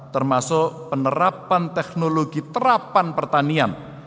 termasuk penerapan teknologi terapan pertanian